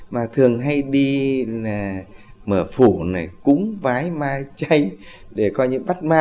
mà thường hay đi mở phủ cúng vái mai cháy để coi như bắt ma